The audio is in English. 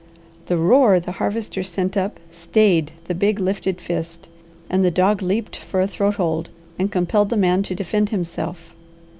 The roar the Harvester sent up stayed the big, lifted fist, and the dog leaped for a throat hold, and compelled the man to defend himself.